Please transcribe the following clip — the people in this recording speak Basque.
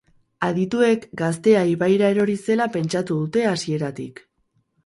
Adituek gaztea ibaira erori zela pentsatu dute hasieratik.